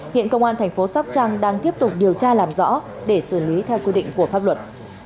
hiện công an thành phố sóc trăng đang tiếp tục điều tra làm rõ để xử lý theo quy định của pháp luật